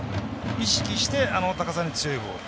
意識して、高さに強いボール。